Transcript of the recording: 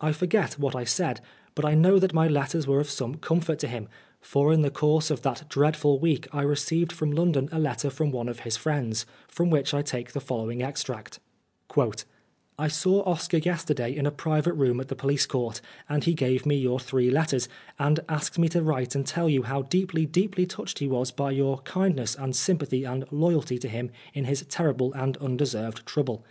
I forget what I said, but I know that my letters were of some comfort to him, for in the course of that dreadful week I received from London a letter from one of his friends, from which I take the following extract :" I saw Oscar yesterday in a private room at the police court, and he gave me your three letters, and asked me to write and tell you how deeply, deeply touched he was by your kindness and sympathy and loyalty to 125 Oscar Wilde him in his terrible and undeserved trouble.